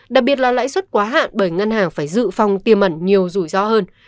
đặc biệt là lãi suất quá hạn bởi ngân hàng phải dự phòng tiêm mẩn nhiều rủi ro hơn